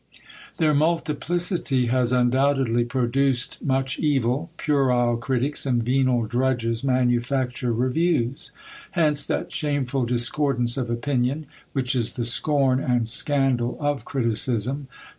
Their multiplicity has undoubtedly produced much evil; puerile critics and venal drudges manufacture reviews; hence that shameful discordance of opinion, which is the scorn and scandal of criticism.